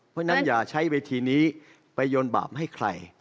เพราะฉะนั้นอย่าใช้เวทีนี้ไปโยนบาปให้ใคร